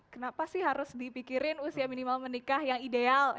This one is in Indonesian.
kenapa sih harus dipikirin usia minimal menikah yang ideal